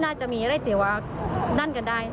ยากให้ถึงเลย